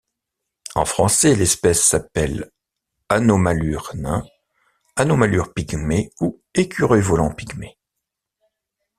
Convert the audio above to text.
En français, l'espèce s'appelle Anomalure nain, Anomalure pygmée ou Écureuil volant pygmée.